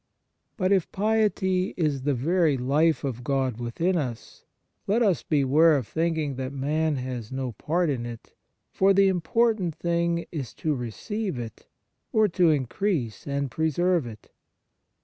But if piety is the very life of God within us, let us beware of thinking that man has no part in it, for the im portant thing is to receive it, or to increase and preserve it.